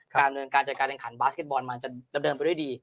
การเงินการจัดการแขนขันบาสเก็ตบอลมันจะเดินไปด้วยดี